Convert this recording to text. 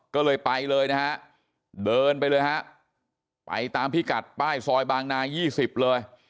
ก็เลยไปเลยนะฮะเดินไปเลยฮะไปตามพิกัดป้ายซอยบางนา๒๐เลย